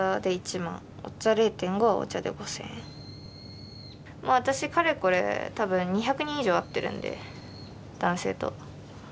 もう私かれこれ多分２００人以上会ってるんで男性と。